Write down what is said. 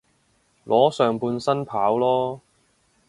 裸上半身跑囉